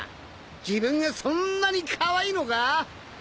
自分がそんなにカワイイのか？